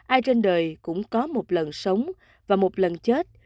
ai trên đời cũng có một lần sống và một lần chết